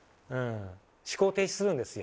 思考停止するんですよ。